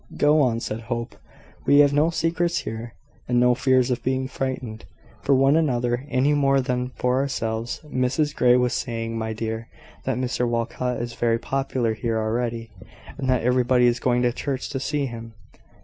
"Go on," said Hope. "We have no secrets here, and no fears of being frightened for one another any more than for ourselves. Mrs Grey was saying, my dear, that Mr Walcot is very popular here already; and that everybody is going to church to see him."